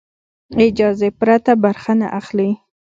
اجازې پرته برخه نه اخلي.